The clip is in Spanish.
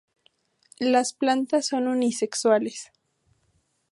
Las plantas son unisexuales.